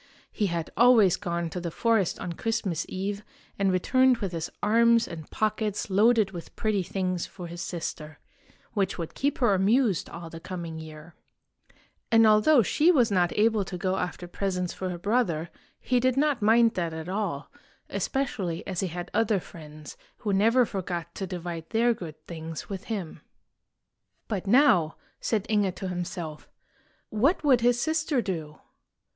He had always gone to the forest on Christmas Eve and returned with his arms and pockets loaded with pretty things for his sister, which would keep her amused all the coming year. And although she was not able to go after presents for her brother, he did not mind that at all, especially as he had other friends who never forgot to divide their good things with him. i43 IN THE GREAT WALLED COUNTRY But now, said Inge to himself, what would his sister do?